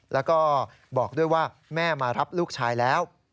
แล้วก็บอกด้วยว่าแม่มารับลูกชายแล้ว